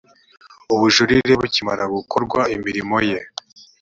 ubujurire bukimara gukorwa imirimo ye